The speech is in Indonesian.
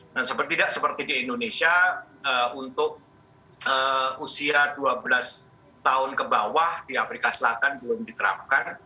nah seperti tidak seperti di indonesia untuk usia dua belas tahun ke bawah di afrika selatan belum diterapkan